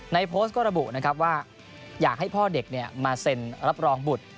โพสต์ก็ระบุนะครับว่าอยากให้พ่อเด็กมาเซ็นรับรองบุตร